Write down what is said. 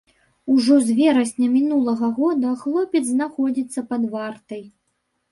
Ужо з верасня мінулага года хлопец знаходзіцца пад вартай.